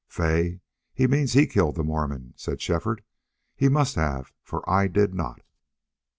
"Fay, he means he killed the Mormon," said Shefford. "He must have, for I did not!"